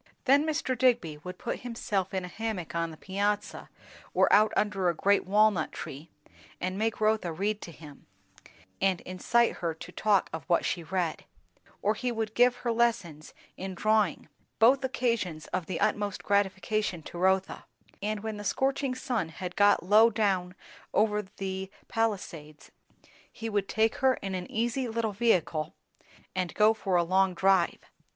Then Mr. Digby would put himself in a hammock on the piazza or out under a great walnut tree, and make Rotha read to him, and incite her to talk of what she read; or he would give her lessons in drawing; both occasions of the utmost gratification to Rotha; and when the scorching sun had got low down over the Palisades, he would take her in an easy little vehicle and go for a long drive.